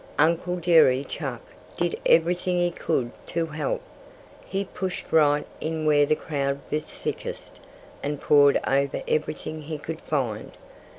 Uncle Jerry Chuck did everything he could to help. He pushed right in where the crowd was thickest and pawed over everything he could find.